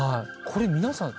これ皆さん。